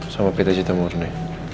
sama ptc temurni